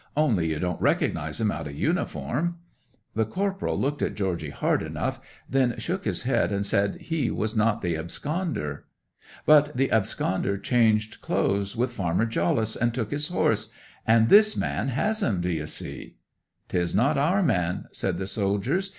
"Only you don't recognize him out o' uniform." 'The corporal looked at Georgy hard enough; then shook his head and said he was not the absconder. '"But the absconder changed clothes with Farmer Jollice, and took his horse; and this man has 'em, d'ye see!" '"'Tis not our man," said the soldiers.